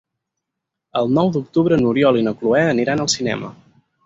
El nou d'octubre n'Oriol i na Cloè aniran al cinema.